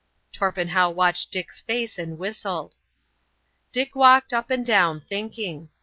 Torpenhow watched Dick's face and whistled. Dick walked up and down, thinking.